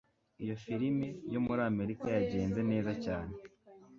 Iyo firime yo muri Amerika yagenze neza cyane.